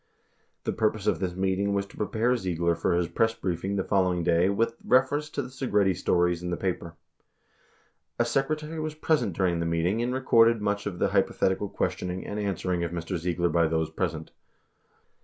The purpose of this meeting was to prepare Ziegler for his press briefing the following day with reference to the Segretti stories in the paper. A secretary was present during the meeting and recorded much of the hypothetical questioning and answering of Mr. Ziegler by those present